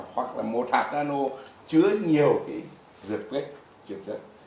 hoặc là một hạt nano chứa nhiều cái dược kết chuyển sức